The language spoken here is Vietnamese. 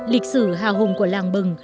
lịch sử hào hùng của làng bừng